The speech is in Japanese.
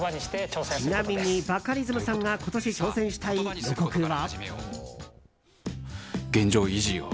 ちなみに、バカリズムさんが今年挑戦したいヨコクは。